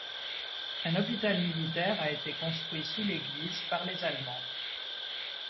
Un hôpital militaire a été construit sous l'église par les Allemands.